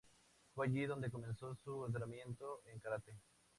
Fue allí donde comenzó su entrenamiento en karate.